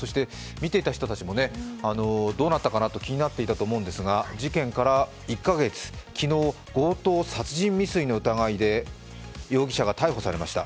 見ていた人たちも、どうなったかなと気になっていたと思いますが事件から１か月、昨日、強盗殺人未遂の疑いで容疑者が逮捕されました。